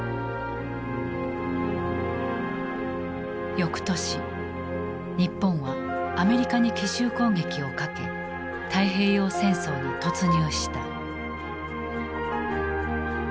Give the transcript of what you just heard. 翌年日本はアメリカに奇襲攻撃をかけ太平洋戦争に突入した。